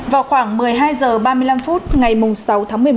vào khoảng một mươi hai h ba mươi năm phút ngày sáu tháng một mươi một